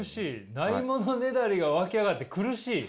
無いものねだりがわき上がって苦しい。